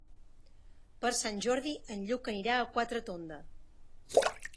Per Sant Jordi en Lluc anirà a Quatretonda.